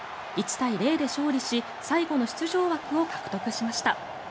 １対０で勝利し最後の出場枠を獲得しました。